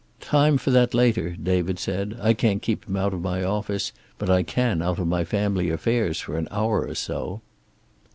"Time for that later," David said. "I can't keep him out of my office, but I can out of my family affairs for an hour or so."